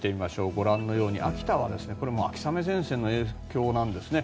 ご覧のように、秋田は秋雨前線の影響なんですね。